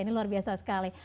ini luar biasa sekali